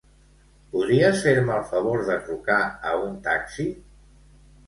Podries fer-me el favor de trucar a un taxi?